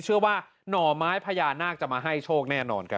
หน่อไม้พญานาคจะมาให้โชคแน่นอนครับ